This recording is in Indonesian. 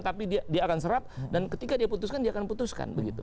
tapi dia akan serap dan ketika dia putuskan dia akan putuskan begitu